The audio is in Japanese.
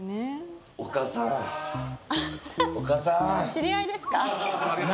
知り合いですか？